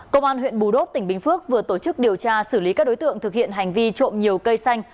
công an huyện bù đốp tỉnh bình phước vừa tổ chức điều tra xử lý các đối tượng thực hiện hành vi trộm nhiều cây xanh